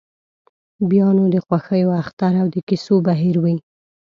بیا نو د خوښیو اختر او د کیسو بهیر وي.